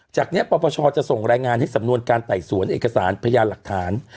จากนี้ปปชจะส่งรายงานให้สำนวนการไต่สวนเอกสารพยานหลักฐาน